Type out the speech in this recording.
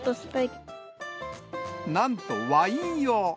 なんとワイン用。